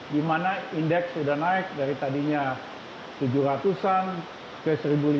di mana indeks sudah naik dari tadinya tujuh ratus an ke satu lima ratus